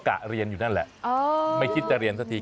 กะเรียนอยู่นั่นแหละไม่คิดจะเรียนสักที